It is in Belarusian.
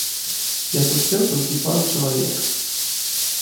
Я сустрэў толькі пару чалавек.